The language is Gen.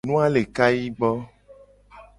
Nu a le kayi gbo.